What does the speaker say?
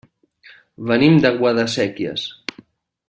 Venim de Guadasséquies.